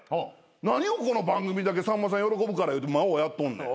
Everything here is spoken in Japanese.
何をこの番組だけさんまさん喜ぶからいうて魔王やっとんねん。